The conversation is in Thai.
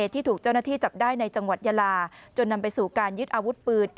ที่ถูกเจ้าหน้าที่จับได้ในจังหวัดยาลาจนนำไปสู่การยึดอาวุธปืน